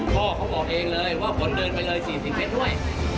พ่อเขาบอกเองเลยว่าผลเดินไปเลยสิสิงเทศด้วย